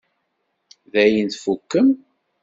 Dayen tfukkem?